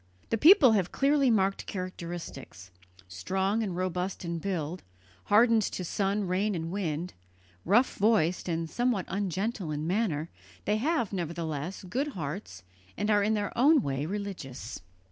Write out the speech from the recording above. The people have clearly marked characteristics; strong and robust in build, hardened to sun, rain, and wind, rough voiced and somewhat ungentle in manner, they have, nevertheless, good hearts and are in their own way religious.